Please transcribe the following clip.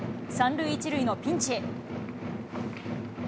３塁１塁のピンチ。